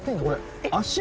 これ。